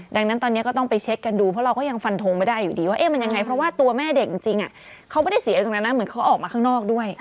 ดังนั้นตอนนี้ก็ต้องไปเช็คกันดูเพราะเราก็ยังฟันทงไม่ได้อยู่ดีว่ามันยังไงเพราะว่าตัวแม่เด็กจริงเขาไม่ได้เสียตรงนั้นนะเหมือนเขาออกมาข้างนอกด้วย